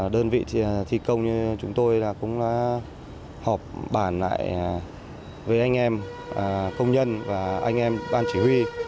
đơn vị thi công như chúng tôi cũng đã họp bàn lại với anh em công nhân và anh em ban chỉ huy